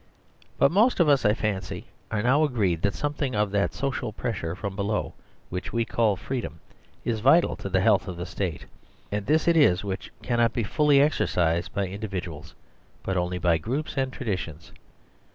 But most of us, I fancy, are now agreed that something of 48 The Superstition of Divorce that social pressure from below which we call freedom is vital to the health of the State; and this it is which cannot be fully exercised by individuals, but only by groups and tra ditions.